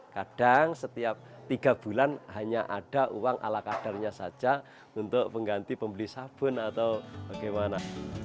kadang setiap tiga bulan hanya ada uang ala kadarnya saja untuk mengganti pembeli sabun atau bagaimana